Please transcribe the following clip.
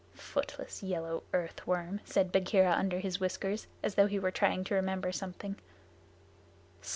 "Footless, yellow earth worm," said Bagheera under his whiskers, as though he were trying to remember something.